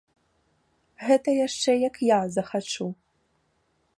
Гэта яшчэ, як я захачу!